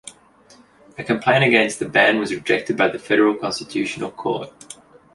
A complaint against the ban was rejected by the Federal Constitutional Court.